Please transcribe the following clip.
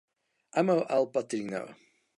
Amo al patrino.